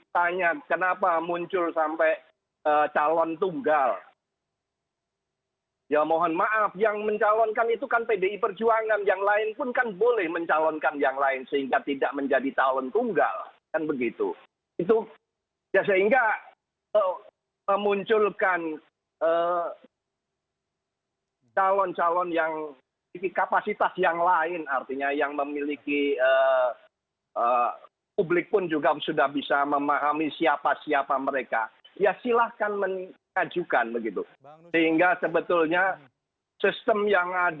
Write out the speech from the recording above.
tapi mbak wiwi melihat kaderisasi yang dilakukan ini apakah sudah benar